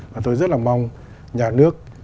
và tôi rất là mong nhà nước